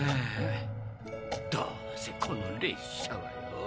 どうせこの列車はよぉ。